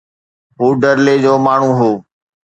هو ڍرلي جو ماڻهو هو.